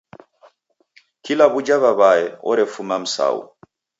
Kila w'uja w'aw'ae orefuma Msau!